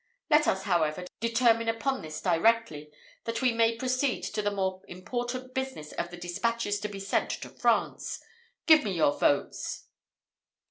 Let us, however, determine upon this directly, that we may proceed to the more important business of the despatches to be sent to France. Give me your votes."